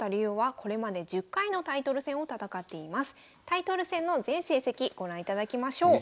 タイトル戦の全成績ご覧いただきましょう。